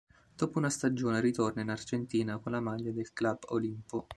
Dopo una stagione ritorna in Argentina con la maglia del Club Olimpo.